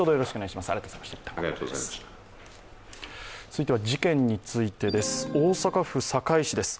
続いては事件についてです。